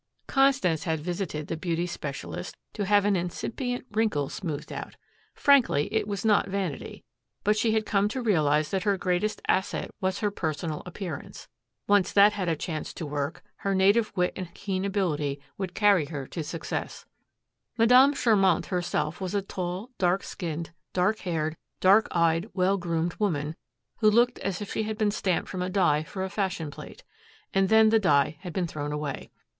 Constance had visited the beauty specialist to have an incipient wrinkle smoothed out. Frankly, it was not vanity. But she had come to realize that her greatest asset was her personal appearance. Once that had a chance to work, her native wit and keen ability would carry her to success. Madame Charmant herself was a tall, dark skinned, dark haired, dark eyed, well groomed woman who looked as if she had been stamped from a die for a fashion plate and then the die had been thrown away.